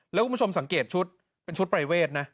แล้วคุณผู้ชมสังเกตชุดเป็นชุดปรายเวทนะ